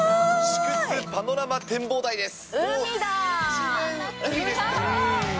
祝津パノラマ展望台です。